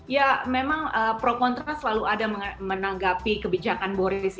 ya memang pro kontra selalu ada menanggapi kebijakan boris